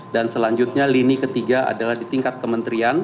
dan selanjutnya lini ketiga adalah di tingkat kementerian